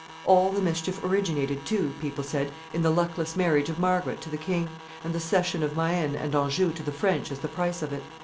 All the mischief originated, too, people said, in the luckless marriage of Margaret to the king, and the cession of Maine and Anjou to the French as the price of it.